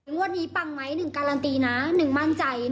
งวดนี้ต้องนานกรันตีนะมั่นใจ